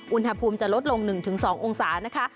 อุณหภูมิจะลดลง๑๒องศานะคะ